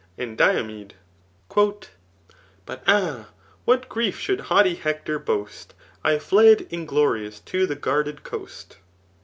And Diomed^ But ah ! what grief dioold hanghty Hector boast | I fled inglorious to the guarded coast